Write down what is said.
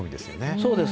そうです。